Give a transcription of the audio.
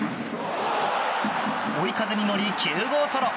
追い風に乗り９号ソロ。